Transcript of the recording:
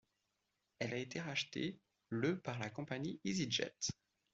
Elle a été rachetée le par la compagnie easyJet.